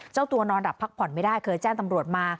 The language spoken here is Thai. เจ้าตัวนอนดับพักผ่อนไม่ได้เคยแจ้งตำรวจมา